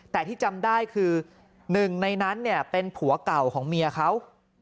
แต่ที่จำได้คือหนึ่งในนั้นเนี่ยเป็นผัวเก่าของเมียเขา